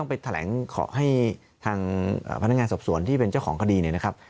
ไปแถลงขอให้ทางพนักงานสอบสวนที่เป็นเจ้าของคดีเนี่ยนะครับ